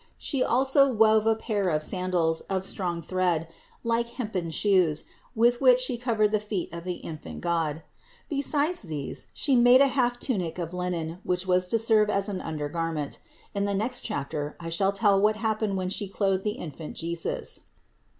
She also wove a pair of sandals of strong thread, like hempen shoes, with which She covered the feet of the infant God. Besides these She made a half tunic of linen, which was to serve as an undergarment. In the next chapter I shall tell what happened when She clothed the Infant Jesus.